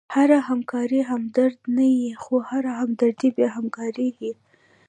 هره همکاري همدردي نه يي؛ خو هره همدردي بیا همکاري يي.